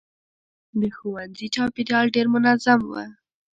د ښوونځي چاپېریال ډېر منظم و.